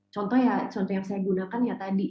contoh ya contoh yang saya gunakan ya tadi